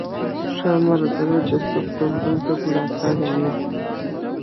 • ښه ملګری د سختو ورځو ملاتړ وي.